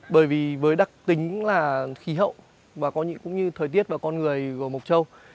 bởi vì với đặc tính là khí hậu và cũng như thời tiết và con người của mộc châu